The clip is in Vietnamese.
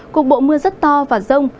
cục bộ mưa rất to và rông